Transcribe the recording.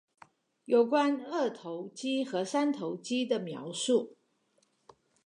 有關二頭肌和三頭肌的描述